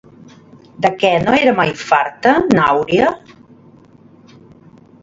De què no era mai farta, n'Àuria?